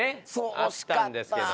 あったんですけど。